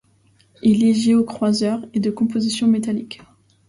Il est géocroiseur et de composition métallique.